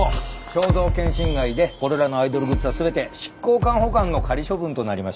肖像権侵害でこれらのアイドルグッズは全て執行官保管の仮処分となりました。